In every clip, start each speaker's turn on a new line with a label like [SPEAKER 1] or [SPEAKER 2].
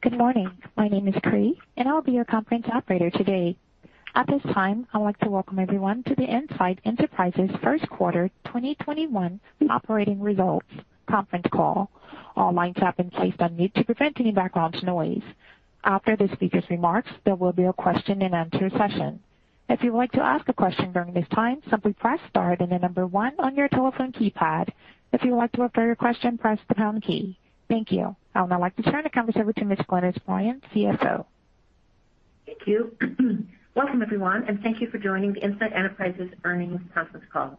[SPEAKER 1] Good morning. My name is Cree, and I'll be your conference operator today. At this time, I'd like to welcome everyone to the Insight Enterprises first quarter 2021 operating results conference call. All lines have been placed on mute to prevent any background noise. After the speakers' remarks, there will be a question and answer session. If you would like to ask a question during this time, simply press star and the number one on your telephone keypad. If you would like to withdraw your question, press the pound key. Thank you. I would now like to turn the conversation to Ms. Glynis Bryan, CFO.
[SPEAKER 2] Thank you. Welcome everyone, and thank you for joining the Insight Enterprises earnings conference call.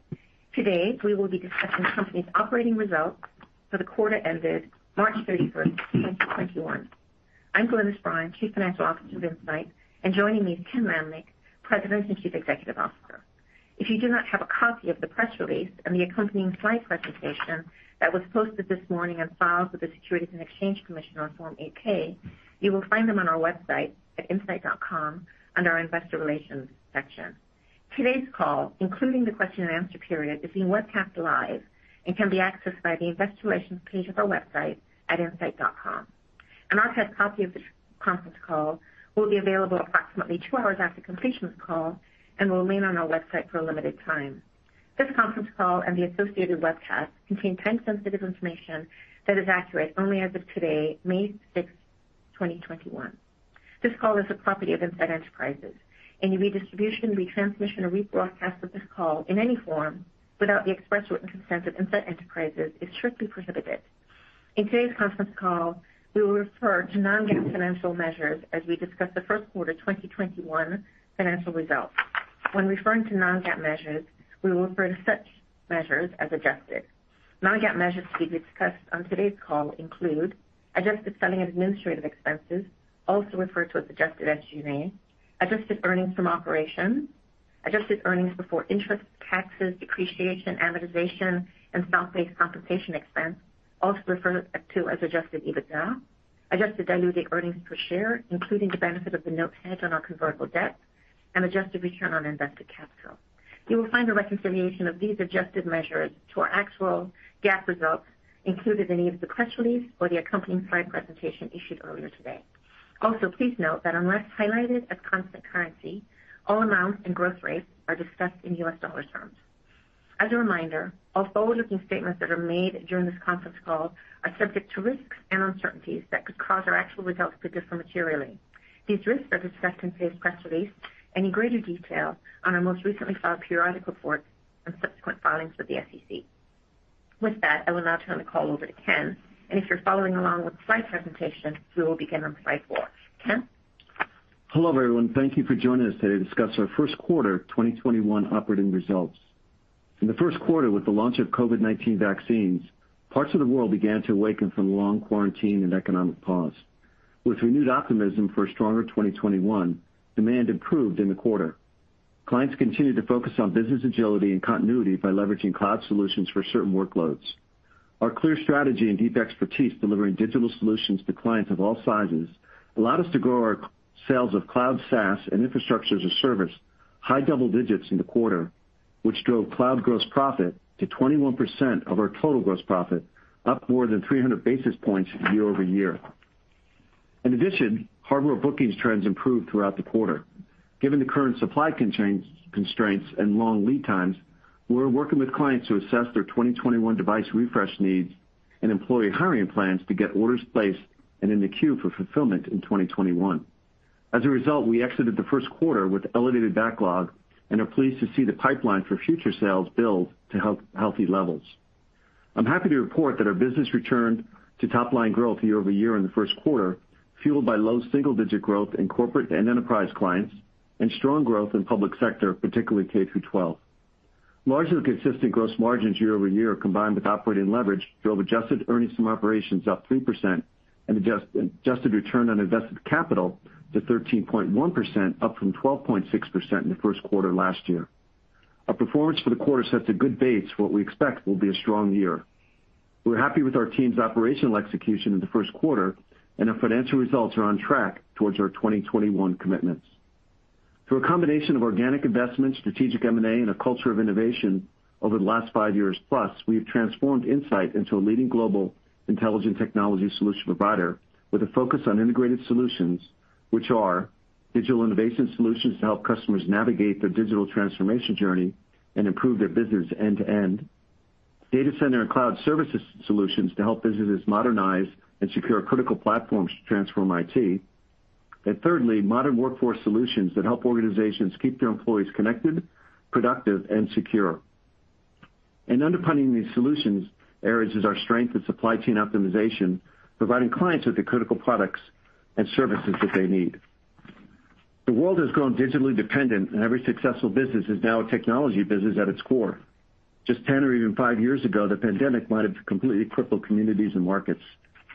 [SPEAKER 2] Today, we will be discussing the company's operating results for the quarter ended March 31st, 2021. I'm Glynis Bryan, Chief Financial Officer of Insight, and joining me is Ken Lamneck, President and Chief Executive Officer. If you do not have a copy of the press release and the accompanying slide presentation that was posted this morning and filed with the Securities and Exchange Commission on Form 8-K, you will find them on our website at insight.com, under our Investor Relations section. Today's call, including the question and answer period, is being webcast live and can be accessed by the investor relations page of our website at insight.com. An archive copy of this conference call will be available approximately two hours after completion of the call and will remain on our website for a limited time. This conference call and the associated webcast contain time-sensitive information that is accurate only as of today, May 6th, 2021. This call is a property of Insight Enterprises. Any redistribution, retransmission, or rebroadcast of this call in any form without the express written consent of Insight Enterprises is strictly prohibited. In today's conference call, we will refer to non-GAAP financial measures as we discuss the first quarter 2021 financial results. When referring to non-GAAP measures, we will refer to such measures as adjusted. Non-GAAP measures to be discussed on today's call include adjusted selling and administrative expenses, also referred to as adjusted SG&A, adjusted earnings from operations, adjusted earnings before interest, taxes, depreciation, amortization, and stock-based compensation expense, also referred to as adjusted EBITDA, adjusted diluted earnings per share, including the benefit of the note hedge on our convertible debt, and adjusted return on invested capital. You will find a reconciliation of these adjusted measures to our actual GAAP results included in either the press release or the accompanying slide presentation issued earlier today. Also, please note that unless highlighted as constant currency, all amounts and growth rates are discussed in U.S. dollar terms. As a reminder, all forward-looking statements that are made during this conference call are subject to risks and uncertainties that could cause our actual results to differ materially. These risks are discussed in today's press release and in greater detail on our most recently filed periodic report and subsequent filings with the SEC. With that, I will now turn the call over to Ken, and if you're following along with the slide presentation, we will begin on slide four. Ken?
[SPEAKER 3] Hello, everyone. Thank you for joining us today to discuss our first quarter 2021 operating results. In the first quarter with the launch of COVID-19 vaccines, parts of the world began to awaken from a long quarantine and economic pause. With renewed optimism for a stronger 2021, demand improved in the quarter. Clients continued to focus on business agility and continuity by leveraging cloud solutions for certain workloads. Our clear strategy and deep expertise delivering digital solutions to clients of all sizes allowed us to grow our sales of cloud SaaS and Infrastructure as a Service high double digits in the quarter, which drove cloud gross profit to 21% of our total gross profit, up more than 300 basis points year-over-year. In addition, hardware bookings trends improved throughout the quarter. Given the current supply constraints and long lead times, we're working with clients to assess their 2021 device refresh needs and employee hiring plans to get orders placed and in the queue for fulfillment in 2021. As a result, we exited the first quarter with elevated backlog and are pleased to see the pipeline for future sales build to healthy levels. I'm happy to report that our business returned to top-line growth year-over-year in the first quarter, fueled by low single-digit growth in corporate and enterprise clients and strong growth in public sector, particularly K-12. Margins and consistent gross margins year-over-year, combined with operating leverage, drove adjusted earnings from operations up 3% and adjusted return on invested capital to 13.1%, up from 12.6% in the first quarter last year. Our performance for the quarter sets a good base for what we expect will be a strong year. We're happy with our team's operational execution in the first quarter, and our financial results are on track towards our 2021 commitments. Through a combination of organic investment, strategic M&A, and a culture of innovation over the last five years plus, we've transformed Insight into a leading global intelligent technology solution provider with a focus on integrated solutions, which are digital innovation solutions to help customers navigate their digital transformation journey and improve their business end to end. Data center and cloud services solutions to help businesses modernize and secure critical platforms to transform IT. Thirdly, modern workforce solutions that help organizations keep their employees connected, productive, and secure. Underpinning these solution areas is our strength in supply chain optimization, providing clients with the critical products and services that they need. The world has grown digitally dependent, and every successful business is now a technology business at its core. Just 10 or even five years ago, the pandemic might have completely crippled communities and markets.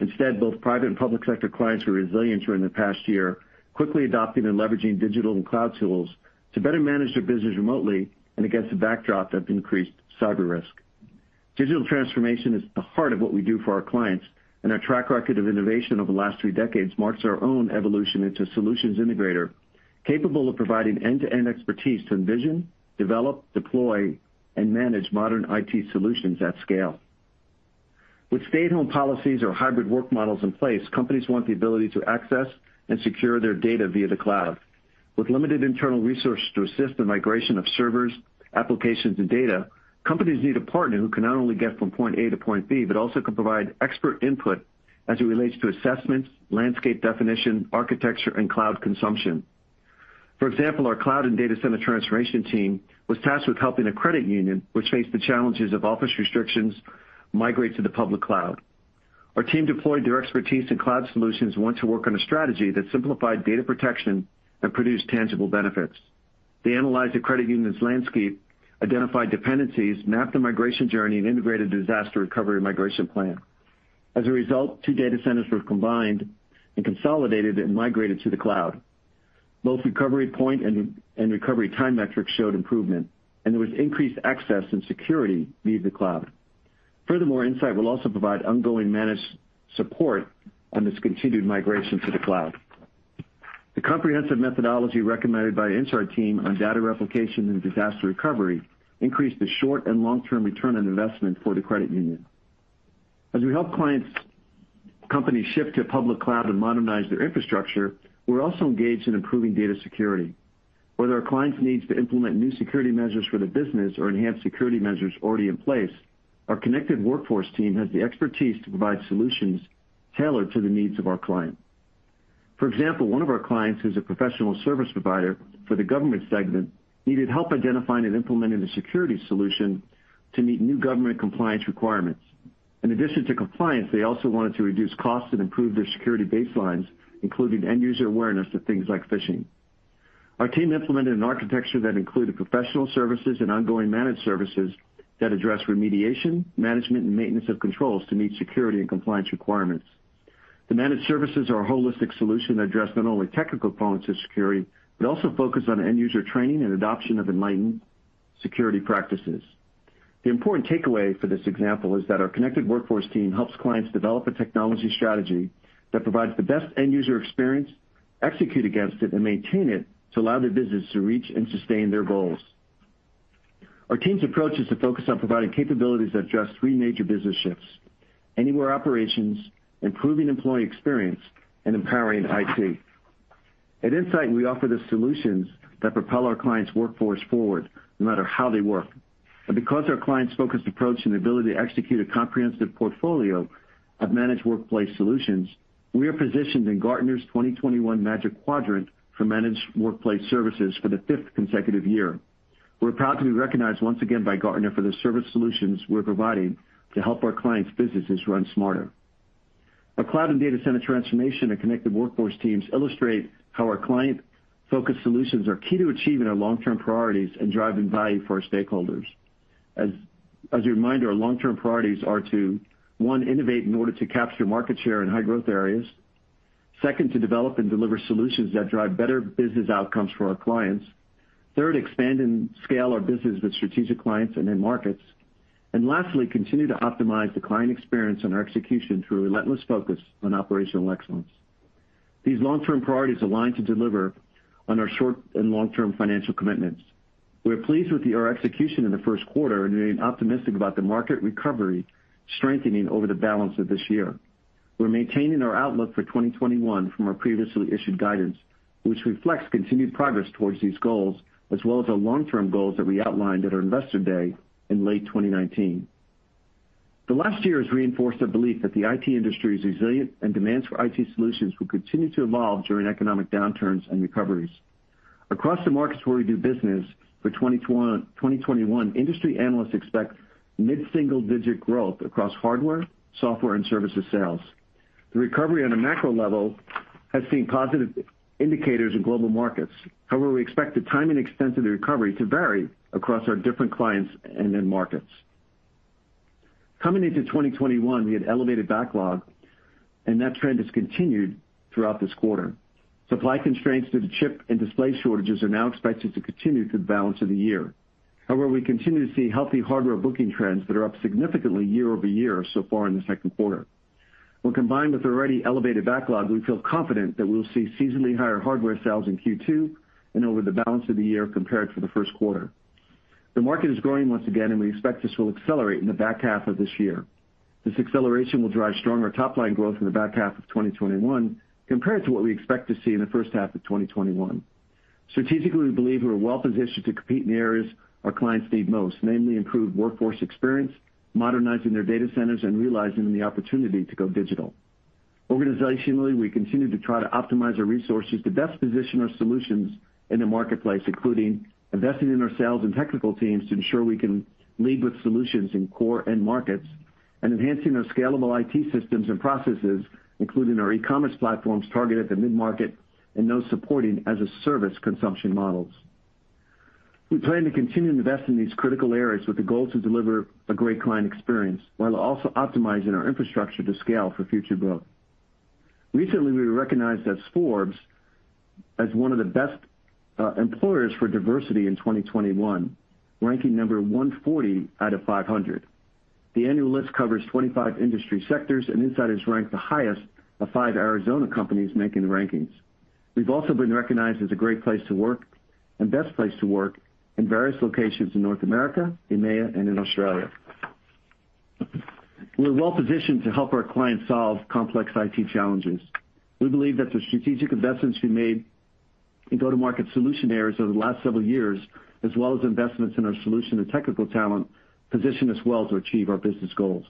[SPEAKER 3] Instead, both private and public sector clients were resilient during the past year, quickly adopting and leveraging digital and cloud tools to better manage their business remotely and against the backdrop of increased cyber risk. Digital transformation is the heart of what we do for our clients, and our track record of innovation over the last three decades marks our own evolution into solutions integrator capable of providing end-to-end expertise to envision, develop, deploy, and manage modern IT solutions at scale. With stay-at-home policies or hybrid work models in place, companies want the ability to access and secure their data via the cloud. With limited internal resources to assist in migration of servers, applications, and data, companies need a partner who can not only get from point A to point B, but also can provide expert input as it relates to assessments, landscape definition, architecture, and cloud consumption. For example, our cloud and data center transformation team was tasked with helping a credit union, which faced the challenges of office restrictions, migrate to the public cloud. Our team deployed their expertise in cloud solutions and went to work on a strategy that simplified data protection and produced tangible benefits. They analyzed the credit union's landscape, identified dependencies, mapped a migration journey, and integrated a disaster recovery migration plan. As a result, two data centers were combined and consolidated and migrated to the cloud. Both recovery point and recovery time metrics showed improvement, and there was increased access and security via the cloud. Furthermore, Insight will also provide ongoing managed support on this continued migration to the cloud. The comprehensive methodology recommended by the Insight team on data replication and disaster recovery increased the short and long-term return on investment for the credit union. As we help companies shift to public cloud and modernize their infrastructure, we're also engaged in improving data security. Whether our clients need to implement new security measures for their business or enhance security measures already in place, our connected workforce team has the expertise to provide solutions tailored to the needs of our client. For example, one of our clients who's a professional service provider for the government segment needed help identifying and implementing a security solution to meet new government compliance requirements. In addition to compliance, they also wanted to reduce costs and improve their security baselines, including end-user awareness of things like phishing. Our team implemented an architecture that included professional services and ongoing managed services that address remediation, management, and maintenance of controls to meet security and compliance requirements. The managed services are a holistic solution that address not only technical components of security, but also focus on end-user training and adoption of enlightened security practices. The important takeaway for this example is that our connected workforce team helps clients develop a technology strategy that provides the best end-user experience, execute against it, and maintain it to allow their business to reach and sustain their goals. Our team's approach is to focus on providing capabilities that address three major business shifts: anywhere operations, improving employee experience, and empowering IT. At Insight, we offer the solutions that propel our clients' workforce forward, no matter how they work. Because of our client-focused approach and ability to execute a comprehensive portfolio of managed workplace solutions, we are positioned in Gartner's 2021 Magic Quadrant for Managed Workplace Services for the fifth consecutive year. We're proud to be recognized once again by Gartner for the service solutions we're providing to help our clients' businesses run smarter. Our cloud and data center transformation and connected workforce teams illustrate how our client-focused solutions are key to achieving our long-term priorities and driving value for our stakeholders. As a reminder, our long-term priorities are to, one, innovate in order to capture market share in high-growth areas. Second, to develop and deliver solutions that drive better business outcomes for our clients. Third, expand and scale our business with strategic clients and end markets. Lastly, continue to optimize the client experience and our execution through relentless focus on operational excellence. These long-term priorities align to deliver on our short and long-term financial commitments. We are pleased with our execution in the first quarter and remain optimistic about the market recovery strengthening over the balance of this year. We're maintaining our outlook for 2021 from our previously issued guidance, which reflects continued progress towards these goals, as well as our long-term goals that we outlined at our Investor Day in late 2019. The last year has reinforced our belief that the IT industry is resilient and demands for IT solutions will continue to evolve during economic downturns and recoveries. Across the markets where we do business for 2021, industry analysts expect mid-single-digit growth across hardware, software, and services sales. The recovery on a macro level has seen positive indicators in global markets. We expect the time and extent of the recovery to vary across our different clients and end markets. Coming into 2021, we had elevated backlog, and that trend has continued throughout this quarter. Supply constraints due to chip and display shortages are now expected to continue through the balance of the year. We continue to see healthy hardware booking trends that are up significantly year-over-year so far in the second quarter. When combined with already elevated backlog, we feel confident that we will see seasonally higher hardware sales in Q2 and over the balance of the year compared to the first quarter. The market is growing once again, and we expect this will accelerate in the back half of this year. This acceleration will drive stronger top-line growth in the back half of 2021 compared to what we expect to see in the first half of 2021. Strategically, we believe we are well-positioned to compete in the areas our clients need most, namely improved workforce experience, modernizing their data centers, and realizing the opportunity to go digital. Organizationally, we continue to try to optimize our resources to best position our solutions in the marketplace, including investing in our sales and technical teams to ensure we can lead with solutions in core end markets, and enhancing our scalable IT systems and processes, including our e-commerce platforms targeted at mid-market and those supporting as-a-service consumption models. We plan to continue to invest in these critical areas with the goal to deliver a great client experience while also optimizing our infrastructure to scale for future growth. Recently, we were recognized as Forbes as one of the best employers for diversity in 2021, ranking number 140 out of 500. The annual list covers 25 industry sectors. Insight is ranked the highest of five Arizona companies making the rankings. We've also been recognized as a great place to work and best place to work in various locations in North America, EMEA, and in Australia. We're well-positioned to help our clients solve complex IT challenges. We believe that the strategic investments we made in go-to-market solution areas over the last several years, as well as investments in our solution and technical talent, position us well to achieve our business goals.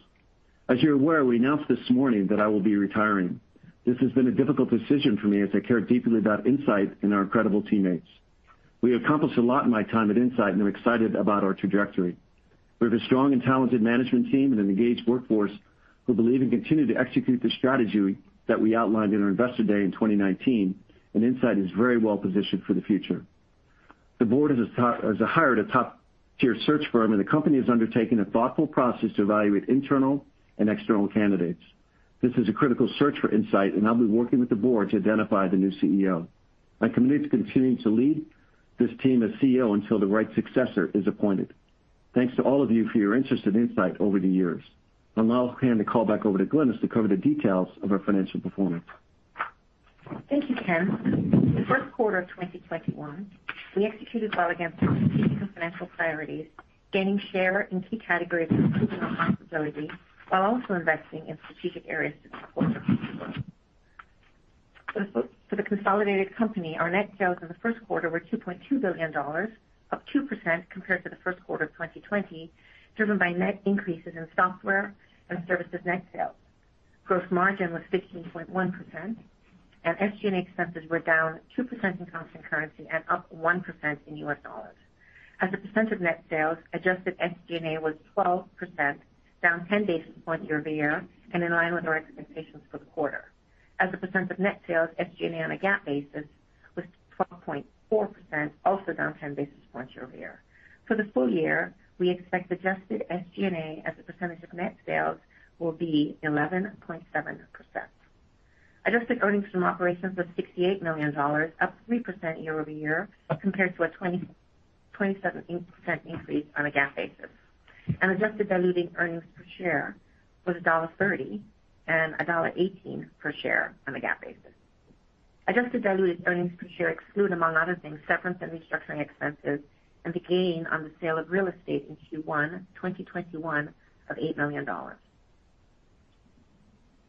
[SPEAKER 3] As you're aware, we announced this morning that I will be retiring. This has been a difficult decision for me as I care deeply about Insight and our incredible teammates. We have accomplished a lot in my time at Insight and are excited about our trajectory. We have a strong and talented management team and an engaged workforce who believe and continue to execute the strategy that we outlined in our Investor Day in 2019, and Insight is very well positioned for the future. The board has hired a top-tier search firm, and the company has undertaken a thoughtful process to evaluate internal and external candidates. This is a critical search for Insight, and I'll be working with the board to identify the new CEO. I commit to continuing to lead this team as CEO until the right successor is appointed. Thanks to all of you for your interest in Insight over the years. I'll now hand the call back over to Glynis to cover the details of our financial performance.
[SPEAKER 2] Thank you, Ken. In the first quarter of 2021, we executed well against our strategic and financial priorities, gaining share in key categories, improving our profitability, while also investing in strategic areas to support our future growth. For the consolidated company, our net sales in the first quarter were $2.2 billion, up 2% compared to the first quarter of 2020, driven by net increases in software and services net sales. Gross margin was 15.1%, and SG&A expenses were down 2% in constant currency and up 1% in U.S. dollars. As a percent of net sales, adjusted SG&A was 12%, down 10 basis points year-over-year and in line with our expectations for the quarter. As a percent of net sales, SG&A on a GAAP basis was 12.4%, also down 10 basis points year-over-year. For the full year, we expect adjusted SG&A as a percent of net sales will be 11.7%. Adjusted earnings from operations was $68 million, up 3% year-over-year, compared to a 27% increase on a GAAP basis, and adjusted diluted earnings per share was $1.30 and $1.18 per share on a GAAP basis. Adjusted diluted earnings per share exclude, among other things, severance and restructuring expenses and the gain on the sale of real estate in Q1 2021 of $8 million.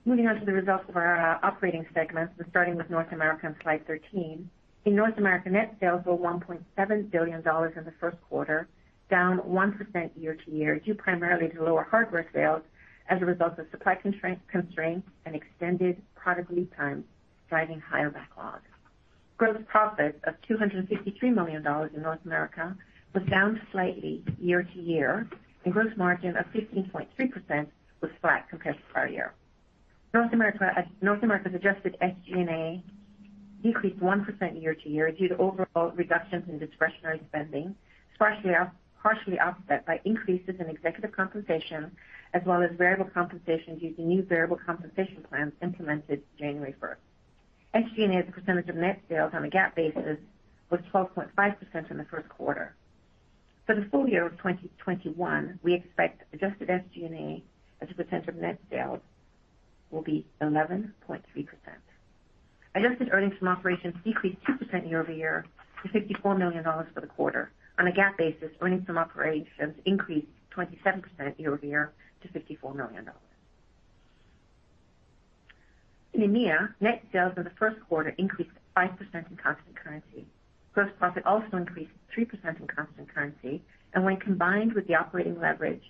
[SPEAKER 2] Moving on to the results of our operating segments, we're starting with North America on slide 13. In North America, net sales were $1.7 billion in the first quarter, down 1% year-to-year, due primarily to lower hardware sales as a result of supply constraints and extended product lead times driving higher backlogs. Gross profit of $263 million in North America was down slightly year-to-year, and gross margin of 15.3% was flat compared to prior year. North America's adjusted SG&A decreased 1% year-to-year due to overall reductions in discretionary spending, partially offset by increases in executive compensation as well as variable compensation due to new variable compensation plans implemented January 1st. SG&A as a percentage of net sales on a GAAP basis was 12.5% in the first quarter. For the full year of 2021, we expect adjusted SG&A as a percent of net sales will be 11.3%. Adjusted earnings from operations decreased 2% year-over-year to $54 million for the quarter. On a GAAP basis, earnings from operations increased 27% year-over-year to $54 million. In EMEA, net sales in the first quarter increased 5% in constant currency. Gross profit also increased 3% in constant currency, and when combined with the operating leverage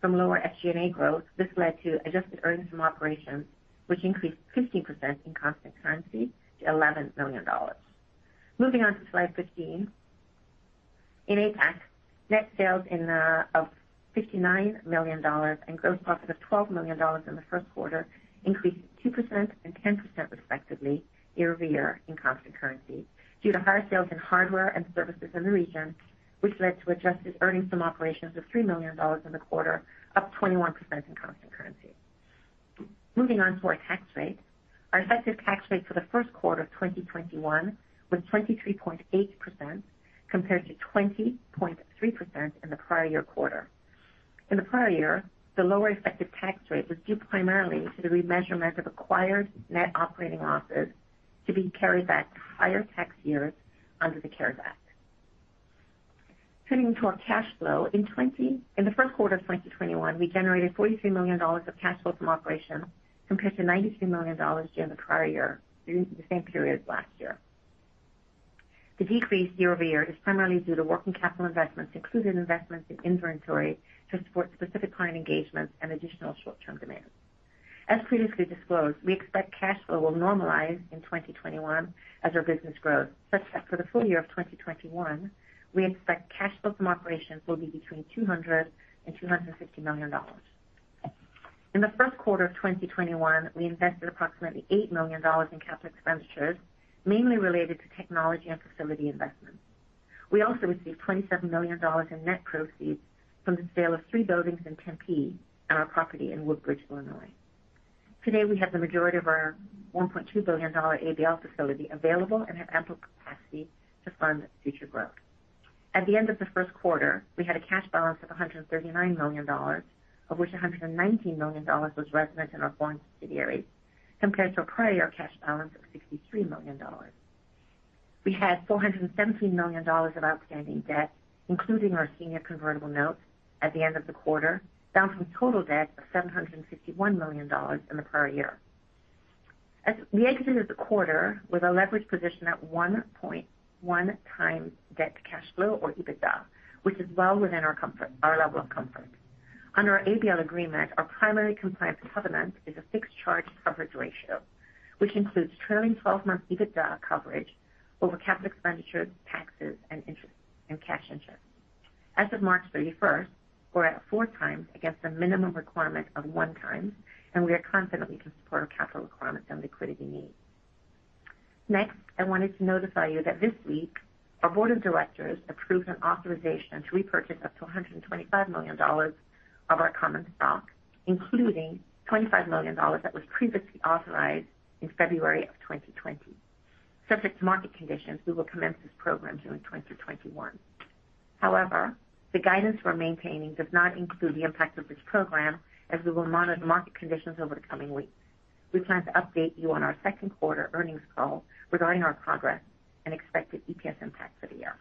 [SPEAKER 2] from lower SG&A growth, this led to adjusted earnings from operations, which increased 15% in constant currency to $11 million. Moving on to slide 15. In APAC, net sales of $59 million and gross profit of $12 million in the first quarter increased 2% and 10%, respectively, year-over-year in constant currency due to higher sales in hardware and services in the region, which led to adjusted earnings from operations of $3 million in the quarter, up 21% in constant currency. Moving on to our tax rate. Our effective tax rate for the first quarter of 2021 was 23.8% compared to 20.3% in the prior year quarter. In the prior year, the lower effective tax rate was due primarily to the remeasurement of acquired net operating losses to be carried back to higher tax years under the CARES Act. Turning to our cash flow, in the first quarter of 2021, we generated $43 million of cash flow from operations compared to $93 million during the same period last year. The decrease year-over-year is primarily due to working capital investments, including investments in inventory to support specific client engagements and additional short-term demands. As previously disclosed, we expect cash flow will normalize in 2021 as our business grows. For the full year of 2021, we expect cash flow from operations will be between $200 and $250 million. In the first quarter of 2021, we invested approximately $8 million in capital expenditures, mainly related to technology and facility investments. We also received $27 million in net proceeds from the sale of three buildings in Tempe and our property in Woodbridge, Illinois. Today, we have the majority of our $1.2 billion ABL facility available and have ample capacity to fund future growth. At the end of the first quarter, we had a cash balance of $139 million, of which $119 million was resident in our foreign subsidiary, compared to a prior cash balance of $63 million. We had $417 million of outstanding debt, including our senior convertible notes at the end of the quarter, down from total debt of $751 million in the prior year. As we exited the quarter with a leverage position at 1.1x debt to cash flow or EBITDA, which is well within our level of comfort. Under our ABL agreement, our primary compliance covenant is a fixed charge coverage ratio, which includes trailing 12-month EBITDA coverage over capital expenditures, taxes, and interest and cash interest. As of March 31st, we're at 4x against a minimum requirement of 1x, and we are confident we can support our capital requirements and liquidity needs. Next, I wanted to notify you that this week our board of directors approved an authorization to repurchase up to $125 million of our common stock, including $25 million that was previously authorized in February of 2020. Subject to market conditions, we will commence this program during 2021. However, the guidance we're maintaining does not include the impact of this program as we will monitor the market conditions over the coming weeks. We plan to update you on our second quarter earnings call regarding our progress and expected EPS impact for the year.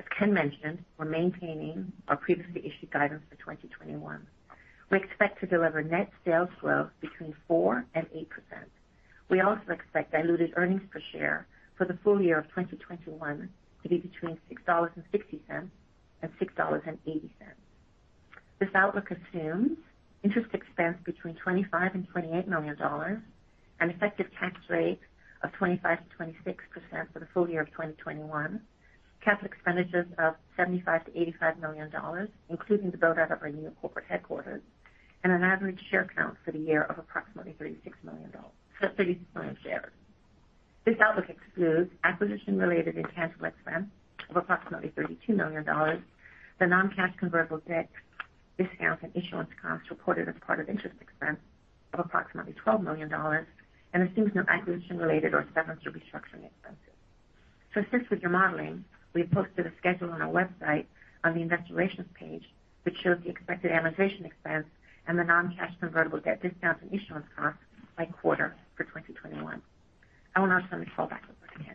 [SPEAKER 2] As Ken mentioned, we're maintaining our previously issued guidance for 2021. We expect to deliver net sales growth between 4% and 8%. We also expect diluted earnings per share for the full year of 2021 to be between $6.60 and $6.80. This outlook assumes interest expense between $25 and $28 million, an effective tax rate of 25%-26% for the full year of 2021, capital expenditures of $75 million-$85 million, including the build-out of our new corporate headquarters, and an average share count for the year of approximately 36 million shares. This outlook excludes acquisition-related intangible expense of approximately $32 million, the non-cash convertible debt discount and issuance costs reported as part of interest expense of approximately $12 million, and assumes no acquisition-related or severance or restructuring expenses. To assist with your modeling, we have posted a schedule on our website on the Investor Relations page, which shows the expected amortization expense and the non-cash convertible debt discount and issuance costs by quarter for 2021. I will now turn the call back over to Ken.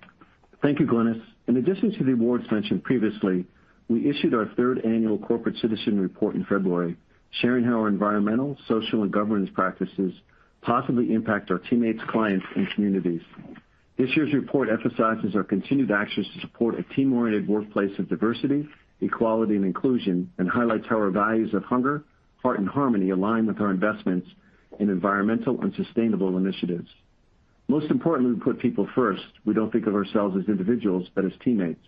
[SPEAKER 3] Thank you, Glynis Bryan. In addition to the awards mentioned previously, we issued our third annual corporate citizen report in February, sharing how our environmental, social, and governance practices positively impact our teammates, clients, and communities. This year's report emphasizes our continued actions to support a team-oriented workplace of diversity, equality, and inclusion, and highlights how our values of hunger, heart, and harmony align with our investments in environmental and sustainable initiatives. Most importantly, we put people first. We don't think of ourselves as individuals, but as teammates.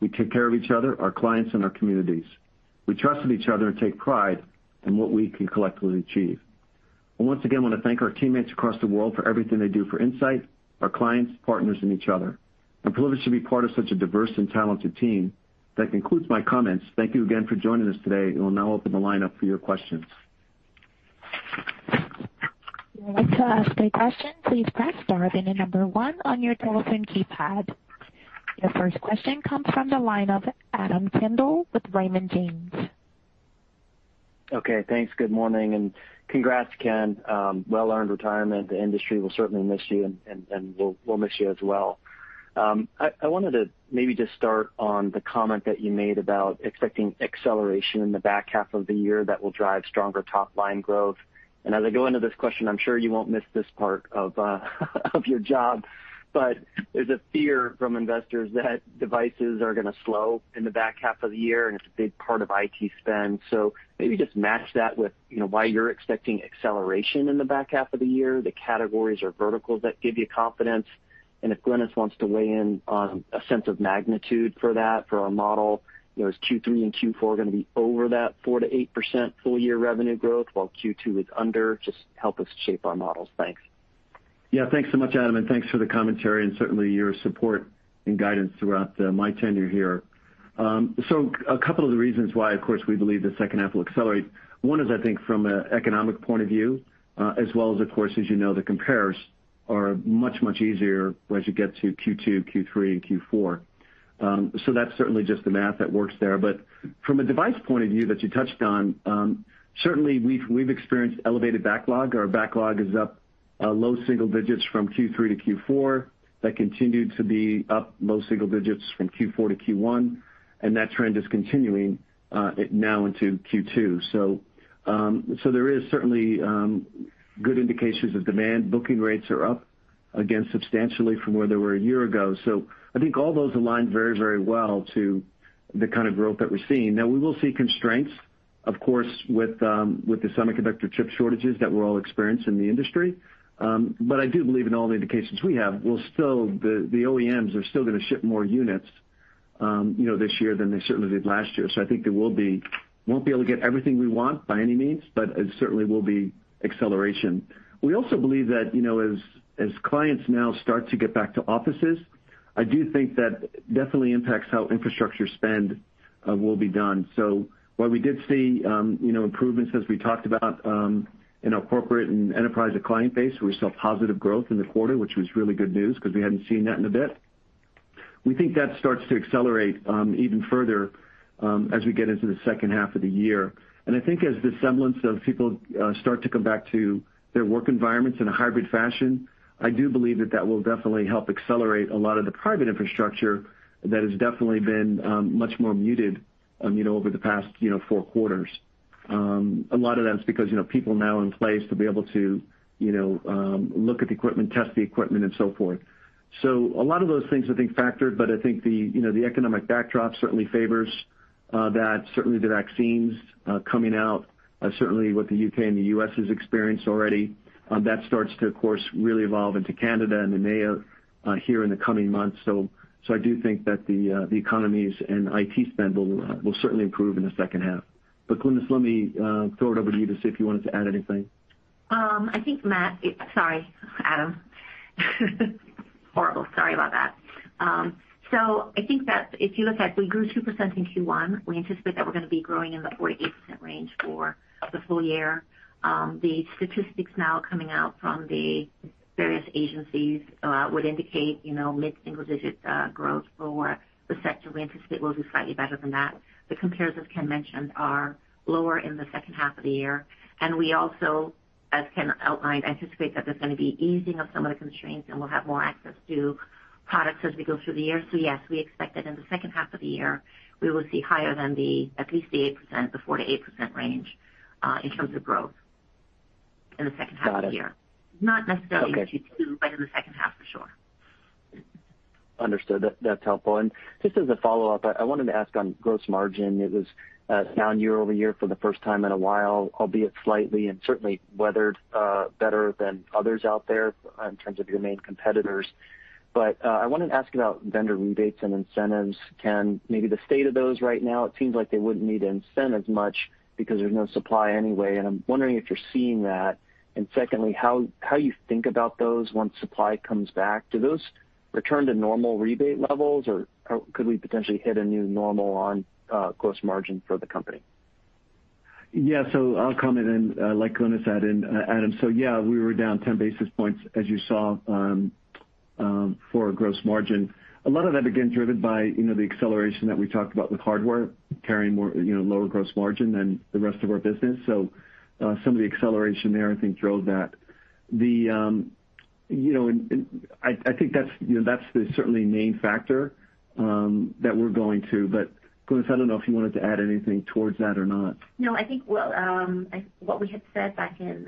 [SPEAKER 3] We take care of each other, our clients, and our communities. We trust in each other and take pride in what we can collectively achieve. I once again want to thank our teammates across the world for everything they do for Insight, our clients, partners, and each other. I'm privileged to be part of such a diverse and talented team. That concludes my comments. Thank you again for joining us today. We'll now open the line up for your questions.
[SPEAKER 1] If you would like to ask a question, please press star, then the number one on your telephone keypad. Your first question comes from the line of Adam Tindle with Raymond James.
[SPEAKER 4] Okay, thanks. Good morning, and congrats, Ken. Well-earned retirement. The industry will certainly miss you, and we'll miss you as well. I wanted to maybe just start on the comment that you made about expecting acceleration in the back half of the year that will drive stronger top-line growth. As I go into this question, I'm sure you won't miss this part of your job, but there's a fear from investors that devices are going to slow in the back half of the year, and it's a big part of IT spend. Maybe just match that with why you're expecting acceleration in the back half of the year, the categories or verticals that give you confidence, and if Glynis wants to weigh in on a sense of magnitude for that for our model. Is Q3 and Q4 going to be over that 4%-8% full year revenue growth while Q2 is under? Just help us shape our models. Thanks.
[SPEAKER 3] Yeah. Thanks so much, Adam Tindle, and thanks for the commentary and certainly your support and guidance throughout my tenure here. A couple of the reasons why, of course, we believe the second half will accelerate. One is, I think, from an economic point of view, as well as, of course, as you know, the compares are much, much easier as you get to Q2, Q3, and Q4. That's certainly just the math that works there. From a device point of view that you touched on, certainly we've experienced elevated backlog. Our backlog is up low single digits from Q3 to Q4. That continued to be up low single digits from Q4 to Q1, and that trend is continuing now into Q2. There is certainly good indications of demand. Booking rates are up again substantially from where they were a year ago. I think all those align very well to the kind of growth that we're seeing. Now, we will see constraints, of course, with the semiconductor chip shortages that we're all experiencing in the industry. I do believe in all the indications we have, the OEMs are still going to ship more units this year than they certainly did last year. I think we won't be able to get everything we want by any means, but it certainly will be acceleration. We also believe that as clients now start to get back to offices. I do think that definitely impacts how infrastructure spend will be done. While we did see improvements as we talked about in our corporate and enterprise client base, we saw positive growth in the quarter, which was really good news because we hadn't seen that in a bit. We think that starts to accelerate even further as we get into the second half of the year. I think as the semblance of people start to come back to their work environments in a hybrid fashion, I do believe that that will definitely help accelerate a lot of the private infrastructure that has definitely been much more muted over the past four quarters. A lot of that is because people are now in place to be able to look at the equipment, test the equipment, and so forth. A lot of those things, I think, factored, but I think the economic backdrop certainly favors that. Certainly, the vaccines coming out, certainly what the U.K. and the U.S. has experienced already, that starts to, of course, really evolve into Canada and the EMEA here in the coming months. I do think that the economies and IT spend will certainly improve in the second half. Glynis, let me throw it over to you to see if you wanted to add anything.
[SPEAKER 2] I think Matt. Sorry, Adam. Horrible. Sorry about that. I think that if you look at, we grew 2% in Q1. We anticipate that we're going to be growing in the 4%-8% range for the full year. The statistics now coming out from the various agencies would indicate mid-single-digit growth for the sector. We anticipate we'll do slightly better than that. The comparisons Ken mentioned are lower in the second half of the year, and we also, as Ken outlined, anticipate that there's going to be easing of some of the constraints, and we'll have more access to products as we go through the year. yes, we expect that in the second half of the year, we will see higher than the, at least the 8%, the 4%-8% range in terms of growth in the second half of the year.
[SPEAKER 4] Got it.
[SPEAKER 2] Not necessarily
[SPEAKER 4] Okay
[SPEAKER 2] in Q2, but in the second half, for sure.
[SPEAKER 4] Understood. That's helpful. Just as a follow-up, I wanted to ask on gross margin. It was down year-over-year for the first time in a while, albeit slightly, and certainly weathered better than others out there in terms of your main competitors. I wanted to ask about vendor rebates and incentives. Ken, maybe the state of those right now, it seems like they wouldn't need to incentive much because there's no supply anyway, and I'm wondering if you're seeing that. Secondly, how you think about those once supply comes back. Do those return to normal rebate levels, or could we potentially hit a new normal on gross margin for the company?
[SPEAKER 3] Yeah. I'll comment and let Glynis Bryan add in, Adam Tindle. Yeah, we were down 10 basis points, as you saw, for gross margin. A lot of that, again, driven by the acceleration that we talked about with hardware carrying lower gross margin than the rest of our business. Some of the acceleration there, I think, drove that. I think that's the certainly main factor that we're going to. Glynis Bryan, I don't know if you wanted to add anything towards that or not.
[SPEAKER 2] No, I think what we had said back in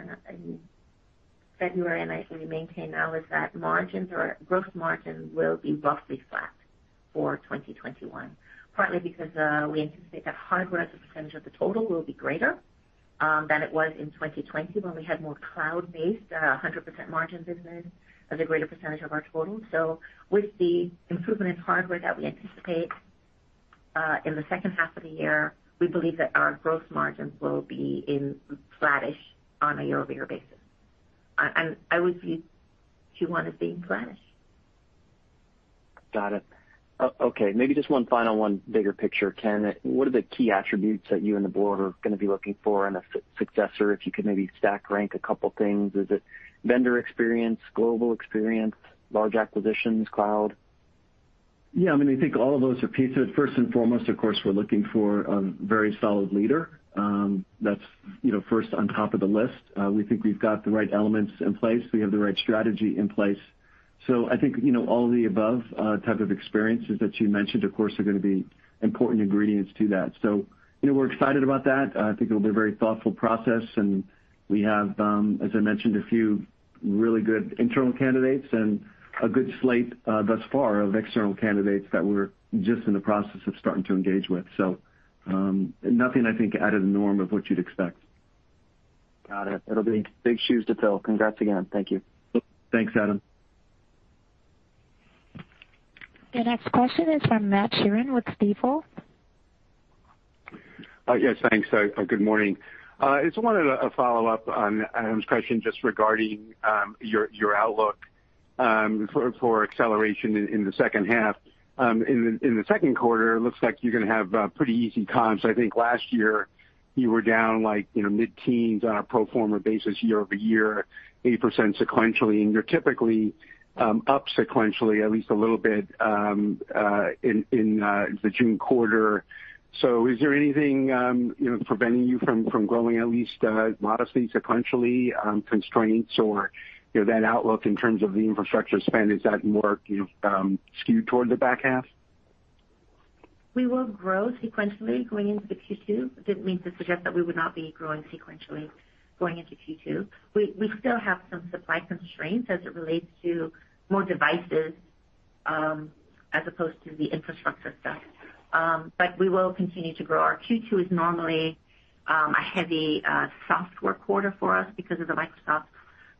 [SPEAKER 2] February, and I think we maintain now, is that margins or gross margins will be roughly flat for 2021. Partly because we anticipate that hardware as a percentage of the total will be greater than it was in 2020, when we had more cloud-based 100% margins as a greater percentage of our total. With the improvement in hardware that we anticipate in the second half of the year, we believe that our gross margins will be flattish on a year-over-year basis. I would view Q1 as being flattish.
[SPEAKER 4] Got it. Okay, maybe just one final one, bigger picture. Ken, what are the key attributes that you and the Board are going to be looking for in a successor? If you could maybe stack rank a couple things. Is it vendor experience, global experience, large acquisitions, cloud?
[SPEAKER 3] Yeah, I think all of those are pieces. First and foremost, of course, we're looking for a very solid leader. That's first on top of the list. We think we've got the right elements in place. We have the right strategy in place. I think all of the above type of experiences that you mentioned, of course, are going to be important ingredients to that. We're excited about that. I think it'll be a very thoughtful process, and we have, as I mentioned, a few really good internal candidates and a good slate thus far of external candidates that we're just in the process of starting to engage with. Nothing, I think, out of the norm of what you'd expect.
[SPEAKER 4] Got it. It'll be big shoes to fill. Congrats again. Thank you.
[SPEAKER 3] Thanks, Adam.
[SPEAKER 1] The next question is from Matt Sheerin with Stifel.
[SPEAKER 5] Yes, thanks. Good morning. I just wanted a follow-up on Adam's question just regarding your outlook for acceleration in the second half. In the second quarter, it looks like you're going to have pretty easy comps. I think last year you were down like mid-teens on a pro forma basis year over year, 8% sequentially, and you're typically up sequentially at least a little bit in the June quarter. Is there anything preventing you from growing at least modestly sequentially, constraints or that outlook in terms of the infrastructure spend, is that more skewed toward the back half?
[SPEAKER 2] We will grow sequentially going into the Q2. Didn't mean to suggest that we would not be growing sequentially going into Q2. We still have some supply constraints as it relates to more devices as opposed to the infrastructure stuff. We will continue to grow. Our Q2 is normally a heavy software quarter for us because of the Microsoft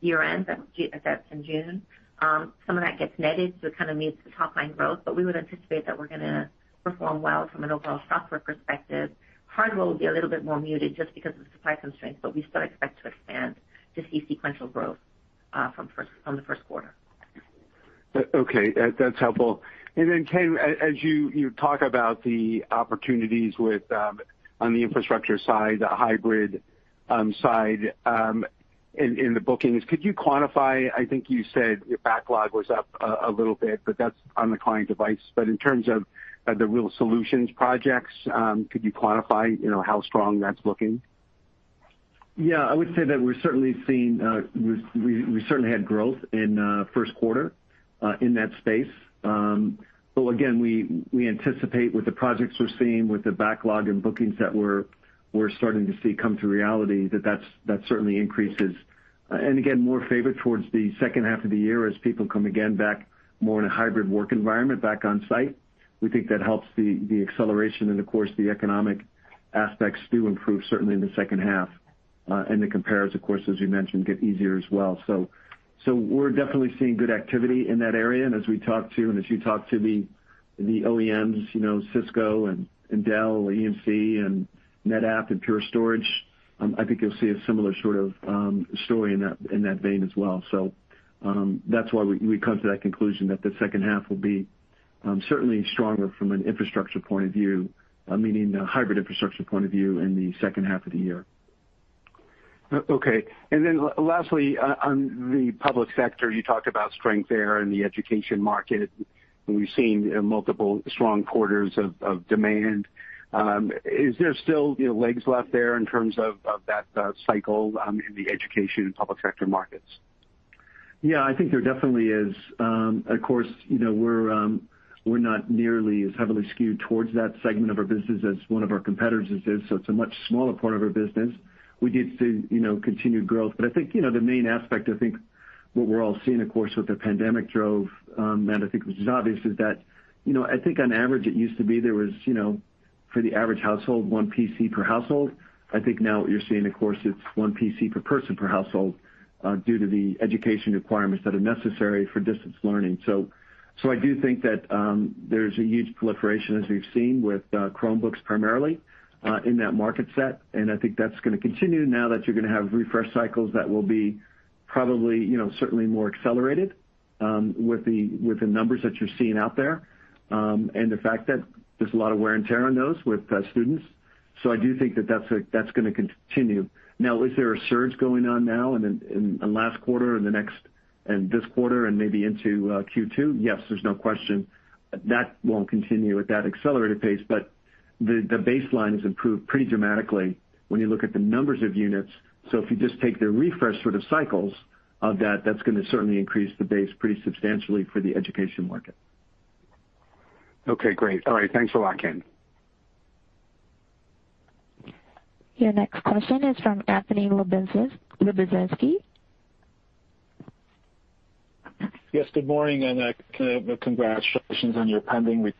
[SPEAKER 2] year-end that's in June. Some of that gets netted, so it kind of meets the top-line growth, but we would anticipate that we're going to perform well from an overall software perspective. Hardware will be a little bit more muted just because of supply constraints, but we still expect to expand to see sequential growth from the first quarter.
[SPEAKER 5] Okay. That's helpful. Then Ken, as you talk about the opportunities on the infrastructure side, the hybrid side, in the bookings, could you quantify, I think you said your backlog was up a little bit, but that's on the client device. In terms of the real solutions projects, could you quantify how strong that's looking?
[SPEAKER 3] Yeah, I would say that we certainly had growth in first quarter, in that space. Again, we anticipate with the projects we're seeing, with the backlog and bookings that we're starting to see come to reality, that certainly increases. Again, more favored towards the second half of the year as people come again back more in a hybrid work environment back on site. We think that helps the acceleration and of course, the economic aspects do improve certainly in the second half. The compares, of course, as you mentioned, get easier as well. We're definitely seeing good activity in that area. As we talk to, and as you talk to the OEMs, Cisco and Dell EMC, NetApp and Pure Storage, I think you'll see a similar sort of story in that vein as well. that's why we come to that conclusion that the second half will be certainly stronger from an infrastructure point of view, meaning a hybrid infrastructure point of view in the second half of the year.
[SPEAKER 5] Okay. lastly, on the public sector, you talked about strength there in the education market, and we've seen multiple strong quarters of demand. Is there still legs left there in terms of that cycle, in the education and public sector markets?
[SPEAKER 3] Yeah, I think there definitely is. Of course, we're not nearly as heavily skewed towards that segment of our business as one of our competitors is, so it's a much smaller part of our business. We did see continued growth, but I think, the main aspect, I think what we're all seeing, of course, what the pandemic drove, and I think which is obvious, is that, I think on average, it used to be there was for the average household, one PC per household. I think now what you're seeing, of course, it's one PC per person per household, due to the education requirements that are necessary for distance learning. I do think that there's a huge proliferation as we've seen with Chromebooks primarily, in that market set. I think that's going to continue now that you're going to have refresh cycles that will be probably, certainly more accelerated, with the numbers that you're seeing out there. The fact that there's a lot of wear and tear on those with students. I do think that that's going to continue. Now, is there a surge going on now and last quarter or the next and this quarter and maybe into Q2? Yes. There's no question that won't continue at that accelerated pace, but the baseline has improved pretty dramatically when you look at the numbers of units. If you just take the refresh sort of cycles of that's going to certainly increase the base pretty substantially for the education market.
[SPEAKER 5] Okay, great. All right. Thanks a lot, Ken.
[SPEAKER 1] Your next question is from Anthony Lebiedzinski.
[SPEAKER 6] Yes, good morning, and congratulations on your pending.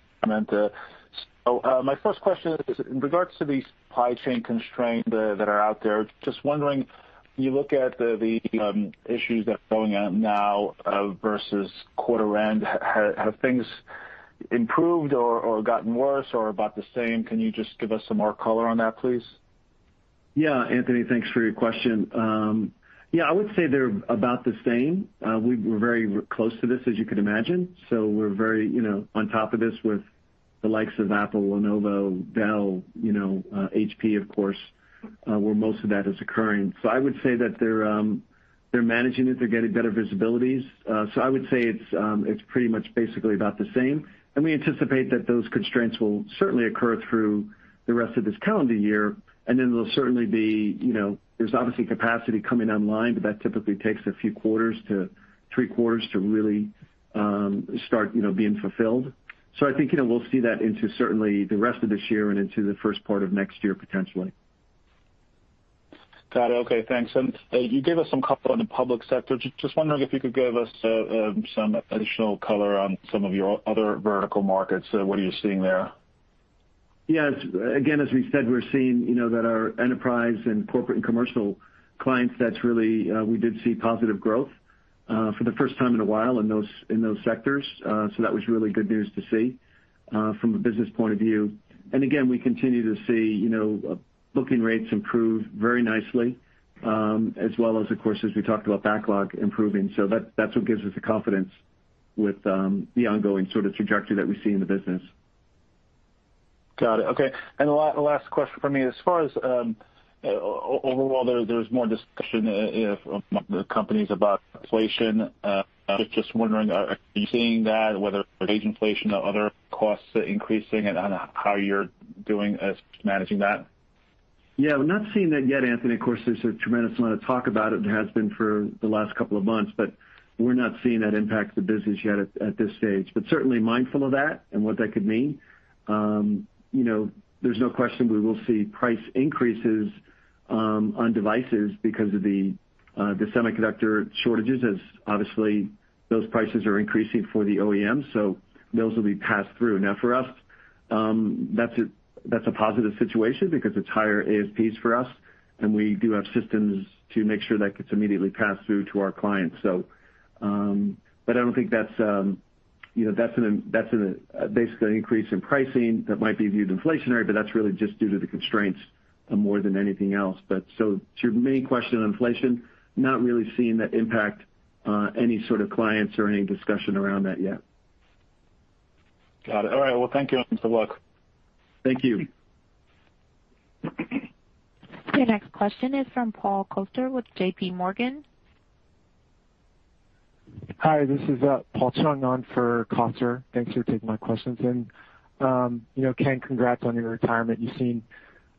[SPEAKER 6] My first question is in regards to the supply chain constraints that are out there, just wondering, you look at the issues that are going on now, versus quarter end, have things improved or gotten worse or about the same? Can you just give us some more color on that, please?
[SPEAKER 3] Yeah, Anthony, thanks for your question. Yeah, I would say they're about the same. We're very close to this, as you can imagine. We're very on top of this with the likes of Apple, Lenovo, Dell, HP of course, where most of that is occurring. I would say that they're managing it. They're getting better visibilities. I would say it's pretty much basically about the same. We anticipate that those constraints will certainly occur through the rest of this calendar year, and then there'll certainly be. There's obviously capacity coming online, but that typically takes a few quarters to three quarters to really start being fulfilled. I think we'll see that into certainly the rest of this year and into the first part of next year potentially.
[SPEAKER 6] Got it. Okay, thanks. You gave us some color on the public sector. Just wondering if you could give us some additional color on some of your other vertical markets. What are you seeing there?
[SPEAKER 3] Yes. Again, as we said, we're seeing that our enterprise and corporate and commercial clients, we did see positive growth, for the first time in a while in those sectors. That was really good news to see, from a business point of view. Again, we continue to see booking rates improve very nicely, as well as, of course, as we talked about backlog improving. That's what gives us the confidence with the ongoing sort of trajectory that we see in the business.
[SPEAKER 6] Got it. Okay. The last question from me. As far as, overall there's more discussion from the companies about inflation. Just wondering, are you seeing that, whether wage inflation or other costs increasing, and how you're doing as managing that?
[SPEAKER 3] Yeah, we're not seeing that yet, Anthony. Of course, there's a tremendous amount of talk about it, and has been for the last couple of months. We're not seeing that impact the business yet at this stage. Certainly mindful of that and what that could mean. There's no question we will see price increases on devices because of the semiconductor shortages, as obviously those prices are increasing for the OEMs, so those will be passed through. Now for us, that's a positive situation because it's higher ASPs for us, and we do have systems to make sure that gets immediately passed through to our clients. I don't think that's basically an increase in pricing that might be viewed inflationary, but that's really just due to the constraints more than anything else. To your main question on inflation, not really seeing that impact any sort of clients or any discussion around that yet.
[SPEAKER 6] Got it. All right, well, thank you. Good luck.
[SPEAKER 3] Thank you.
[SPEAKER 1] Your next question is from Paul Coster with JPMorgan.
[SPEAKER 7] Hi, this is Paul Chung on for Coster. Thanks for taking my questions. Ken, congrats on your retirement. You've seen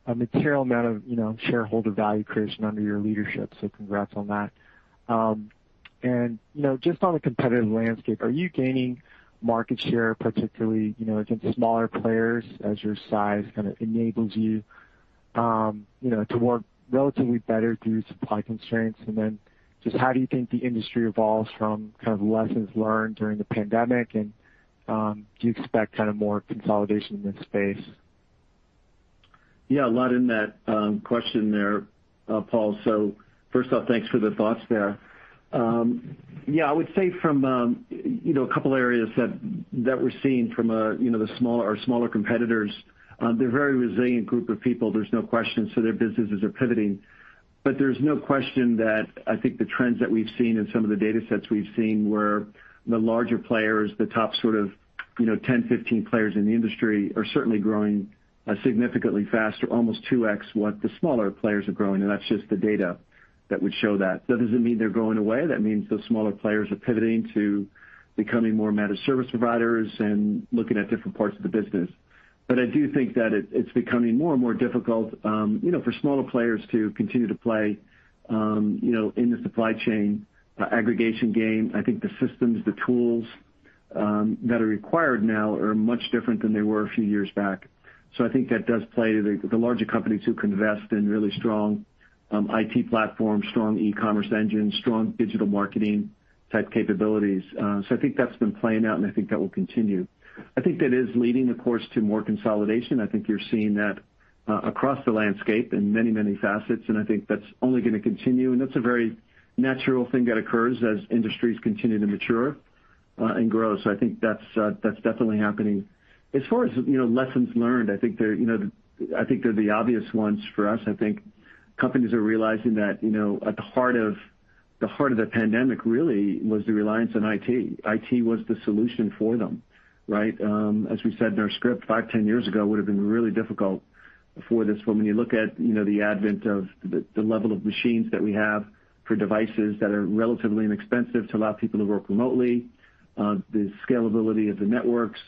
[SPEAKER 7] a material amount of shareholder value creation under your leadership, so congrats on that. Just on the competitive landscape, are you gaining market share, particularly against smaller players as your size kind of enables you to work relatively better through supply constraints? Just how do you think the industry evolves from kind of lessons learned during the pandemic, and do you expect kind of more consolidation in this space?
[SPEAKER 3] Yeah, a lot in that question there, Paul. First off, thanks for the thoughts there. Yeah, I would say from a couple areas that we're seeing from our smaller competitors, they're a very resilient group of people, there's no question. Their businesses are pivoting. There's no question that I think the trends that we've seen in some of the data sets we've seen, where the larger players, the top sort of 10, 15 players in the industry, are certainly growing significantly faster, almost 2x what the smaller players are growing, and that's just the data that would show that. That doesn't mean they're going away. That means those smaller players are pivoting to becoming more managed service providers and looking at different parts of the business. I do think that it's becoming more and more difficult for smaller players to continue to play in the supply chain aggregation game. I think the systems, the tools that are required now are much different than they were a few years back. I think that does play to the larger companies who can invest in really strong IT platforms, strong e-commerce engines, strong digital marketing-type capabilities. I think that's been playing out, and I think that will continue. I think that is leading, of course, to more consolidation. I think you're seeing that across the landscape in many, many facets, and I think that's only gonna continue, and that's a very natural thing that occurs as industries continue to mature and grow. I think that's definitely happening. As far as lessons learned, I think they're the obvious ones for us. I think companies are realizing that at the heart of the pandemic really was the reliance on IT. IT was the solution for them, right? As we said in our script, five, 10 years ago, would've been really difficult for this. When you look at the advent of the level of machines that we have for devices that are relatively inexpensive to allow people to work remotely, the scalability of the networks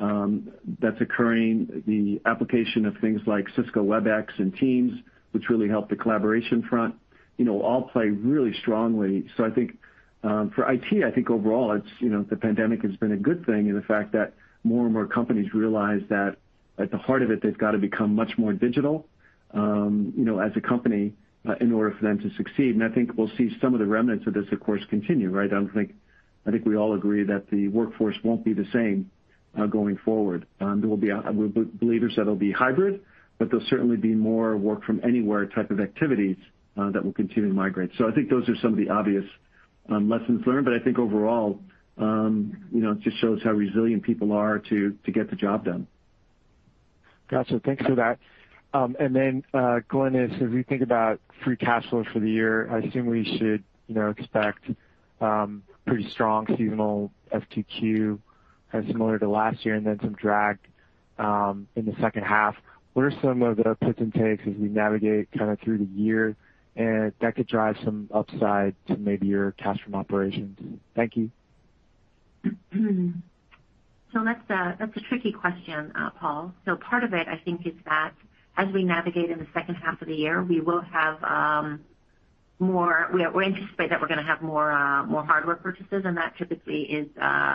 [SPEAKER 3] that's occurring, the application of things like Cisco Webex and Teams, which really help the collaboration front, all play really strongly. I think for IT, I think overall the pandemic has been a good thing in the fact that more and more companies realize that at the heart of it, they've got to become much more digital as a company in order for them to succeed. I think we'll see some of the remnants of this, of course, continue, right? I think we all agree that the workforce won't be the same going forward. We're believers that it'll be hybrid, but there'll certainly be more work from anywhere type of activities that will continue to migrate. I think those are some of the obvious lessons learned. I think overall, it just shows how resilient people are to get the job done.
[SPEAKER 7] Got you. Thanks for that. Glynis, as we think about free cash flow for the year, I assume we should expect pretty strong seasonal 4Q kind of similar to last year and then some drag in the second half. What are some of the puts and takes as we navigate kind of through the year, and that could drive some upside to maybe your cash from operations? Thank you.
[SPEAKER 2] That's a tricky question, Paul. Part of it, I think, is that as we navigate in the second half of the year, we anticipate that we're gonna have more hardware purchases, and that typically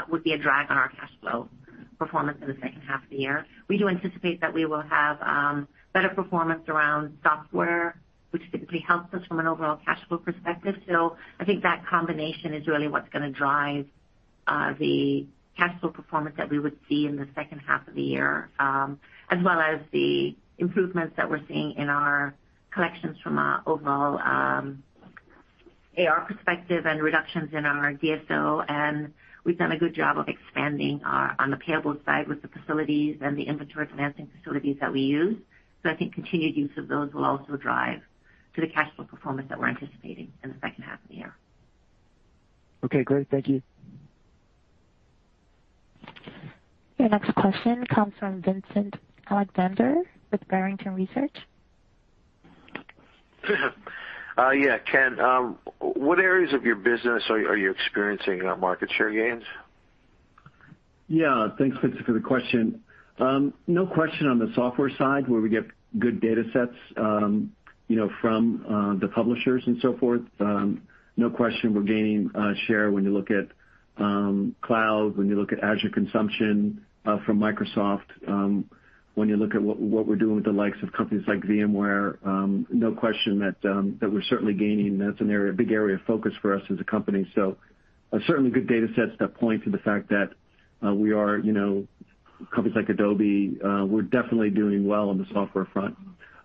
[SPEAKER 2] would be a drag on our cash flow performance in the second half of the year. We do anticipate that we will have better performance around software, which typically helps us from an overall cash flow perspective. I think that combination is really what's gonna drive the cash flow performance that we would see in the second half of the year. As well as the improvements that we're seeing in our collections from an overall AR perspective and reductions in our DSO, and we've done a good job of expanding on the payable side with the facilities and the inventory financing facilities that we use. I think continued use of those will also drive to the cash flow performance that we're anticipating in the second half of the year.
[SPEAKER 7] Okay, great. Thank you.
[SPEAKER 1] Your next question comes from Vincent Colicchio with Barrington Research.
[SPEAKER 8] Yeah. Ken, what areas of your business are you experiencing market share gains?
[SPEAKER 3] Yeah. Thanks, Vincent, for the question. No question on the software side, where we get good data sets from the publishers and so forth. No question we're gaining share when you look at cloud, when you look at Azure consumption from Microsoft, when you look at what we're doing with the likes of companies like VMware. No question that we're certainly gaining. That's a big area of focus for us as a company. certainly good data sets that point to the fact that we are companies like Adobe. We're definitely doing well on the software front.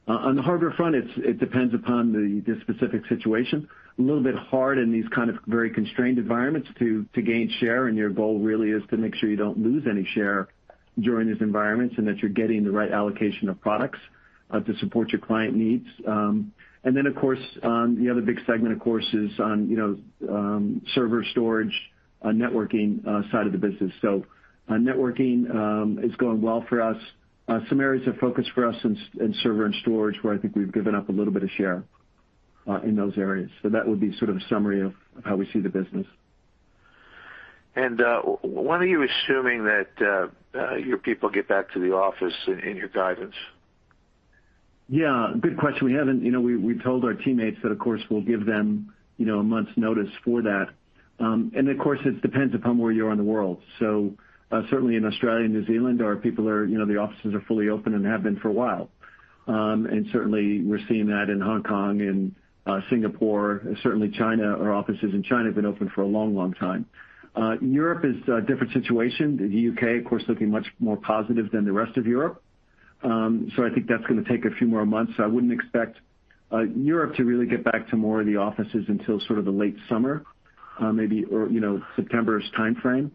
[SPEAKER 3] On the hardware front, it depends upon the specific situation. A little bit hard in these kind of very constrained environments to gain share, and your goal really is to make sure you don't lose any share during these environments, and that you're getting the right allocation of products to support your client needs. Of course, the other big segment, of course, is on server storage, networking side of the business. Networking is going well for us. Some areas of focus for us in server and storage, where I think we've given up a little bit of share in those areas. That would be sort of a summary of how we see the business.
[SPEAKER 8] When are you assuming that your people get back to the office in your guidance?
[SPEAKER 3] Yeah, good question. We told our teammates that, of course, we'll give them a month's notice for that. Of course, it depends upon where you are in the world. Certainly in Australia and New Zealand, the offices are fully open and have been for a while. Certainly we're seeing that in Hong Kong and Singapore. Certainly China, our offices in China have been open for a long, long time. Europe is a different situation. The U.K., of course, looking much more positive than the rest of Europe. I think that's going to take a few more months. I wouldn't expect Europe to really get back to more of the offices until sort of the late summer, maybe September's timeframe,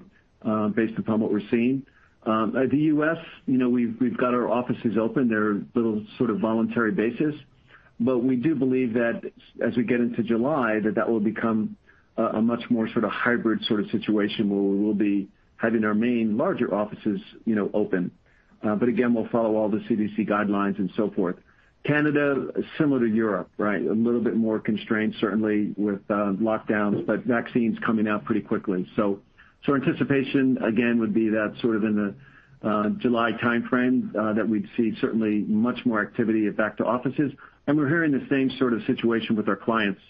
[SPEAKER 3] based upon what we're seeing. The U.S., we've got our offices open. They're little sort of voluntary basis, but we do believe that as we get into July, that that will become a much more sort of hybrid sort of situation where we will be having our main larger offices open. Again, we'll follow all the CDC guidelines and so forth. Canada, similar to Europe, right? A little bit more constrained, certainly with lockdowns, but vaccines coming out pretty quickly. Our anticipation, again, would be that sort of in the July timeframe that we'd see certainly much more activity back to offices. We're hearing the same sort of situation with our clients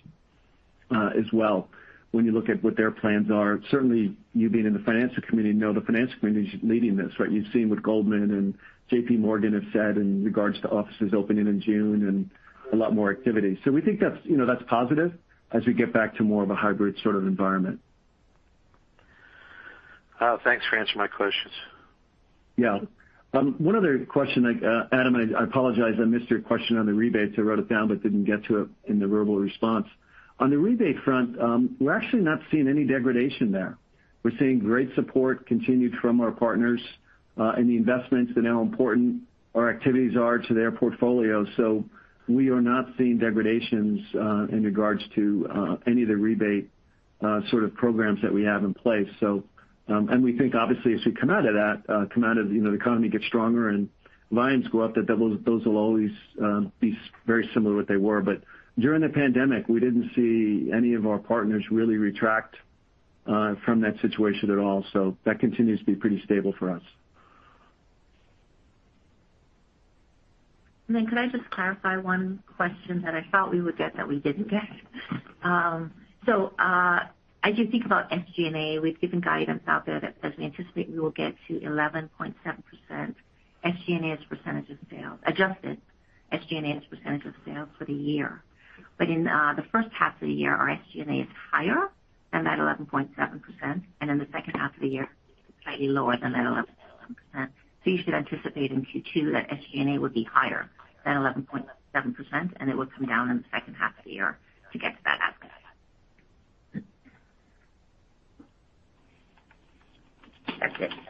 [SPEAKER 3] as well, when you look at what their plans are. Certainly you being in the financial community know the financial community is leading this, right? You've seen what Goldman and JPMorgan have said in regards to offices opening in June and a lot more activity. We think that's positive as we get back to more of a hybrid sort of environment.
[SPEAKER 8] Thanks for answering my questions.
[SPEAKER 3] Yeah. One other question, Adam, and I apologize, I missed your question on the rebates. I wrote it down, but didn't get to it in the verbal response. On the rebate front, we're actually not seeing any degradation there. We're seeing great support continued from our partners, and the investments, they know how important our activities are to their portfolio. We are not seeing degradations in regards to any of the rebate sort of programs that we have in place. We think, obviously, as we come out of that, the economy gets stronger and lines go up, that those will always be very similar to what they were. During the pandemic, we didn't see any of our partners really retract from that situation at all. That continues to be pretty stable for us.
[SPEAKER 2] Could I just clarify one question that I thought we would get that we didn't get? As you think about SG&A, we've given guidance out there that as we anticipate, we will get to 11.7% SG&A as a percentage of sales, adjusted SG&A as a percentage of sales for the year. In the first half of the year, our SG&A is higher than that 11.7%, and in the second half of the year, slightly lower than that 11.7%. You should anticipate in Q2 that SG&A will be higher than 11.7%, and it will come down in the second half of the year to get to that outcome. That's it.